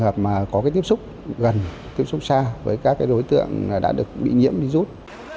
hợp có tiếp xúc gần tiếp xúc xa với các đối tượng đã được bị nhiễm virus